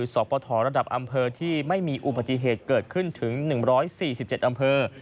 สอบประทระดับอำเภอที่ไม่มีอุบัติเหตุเกิดขึ้นถึง๑๔๗อำเภอ